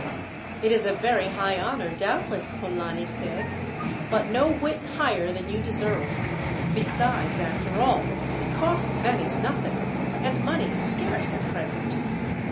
"It is a very high honour, doubtless," Polani said, "but no whit higher than you deserve. Besides, after all, it costs Venice nothing, and money is scarce at present.